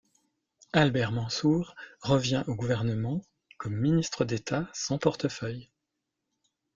Albert Mansour revient au gouvernement, comme ministre d’Etat sans portefeuille.